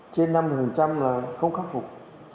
trên năm thì mình chăm là không khắc phục